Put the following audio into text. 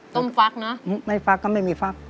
้มฟักนะไม่ฟักก็ไม่มีฟัก